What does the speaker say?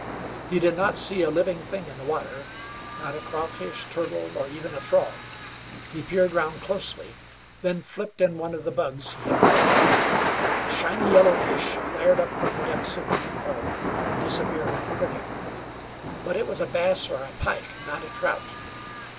He did not see a living thing in the water, not a crawfish, turtle, nor even a frog. He peered round closely, then flipped in one of the bugs he had brought along. A shiny yellow fish flared up from the depths of the deep hole and disappeared with the cricket; but it was a bass or a pike, not a trout.